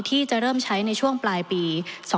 ที่จะเริ่มใช้ในช่วงปลายปี๒๕๖